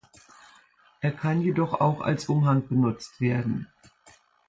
Er kann jedoch auch als Umhang benutzt werden.